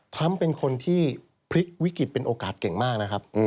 ทรัมป์เป็นคนที่พลิกวิกฤตเป็นโอกาสเก่งมากนะครับ